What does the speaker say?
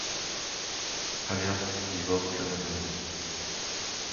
Ehlert divorce la même année.